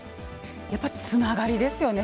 やっぱつながりですよね